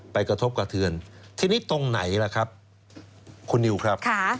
กระทบกระเทือนทีนี้ตรงไหนล่ะครับคุณนิวครับ